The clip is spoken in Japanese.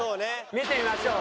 見てみましょう。